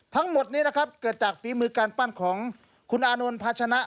ทั้งหมดนี้นะครับเกิดจากฝีมือการปั้นของคุณอานนท์พาชนะ